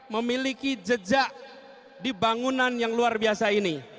memiliki jejak di bangunan yang luar biasa ini